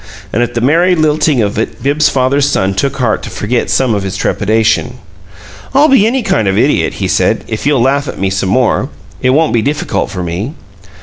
And at the merry lilting of it Bibbs's father's son took heart to forget some of his trepidation. "I'll be any kind of idiot," he said, "if you'll laugh at me some more. It won't be difficult for me."